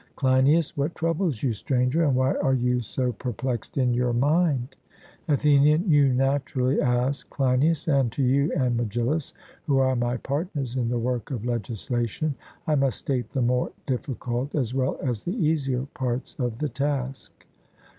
CLEINIAS: What troubles you, Stranger? and why are you so perplexed in your mind? ATHENIAN: You naturally ask, Cleinias, and to you and Megillus, who are my partners in the work of legislation, I must state the more difficult as well as the easier parts of the task.